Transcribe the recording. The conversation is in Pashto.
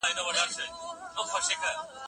د ټولنیز ګډون هڅونه مهمه ده.